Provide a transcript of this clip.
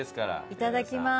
いただきます。